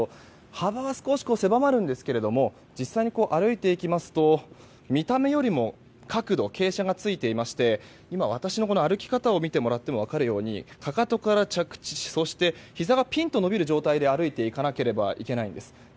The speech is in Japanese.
幅は少し狭まるんですが実際に、歩いていきますと見た目よりも角度、傾斜がついていまして今、私の歩き方を見てもらっても分かるようにかかとから着地し、そしてひざがピンと伸びる状態で歩いていかなければいけないんです。